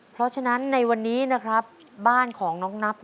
เพราะฉะนั้นในวันนี้นะครับบ้านของน้องนับ